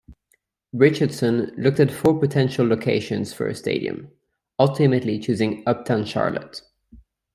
Richardson looked at four potential locations for a stadium, ultimately choosing uptown Charlotte.